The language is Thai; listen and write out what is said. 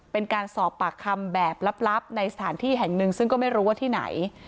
เป็นการสอบปากคำแบบลับในสถานที่แห่งหนึ่งซึ่งก็ไม่รู้ว่าที่ไหน